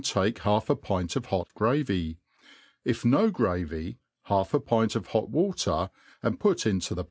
take half a pint of hot gravy ^ if no gravy, half a pint of hot water, and put into the.